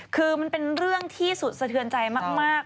คือมันเป็นเรื่องที่สุดสะเทือนใจมาก